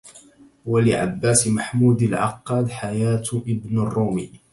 ولعباس محمود العقاد حياة ابن الرومي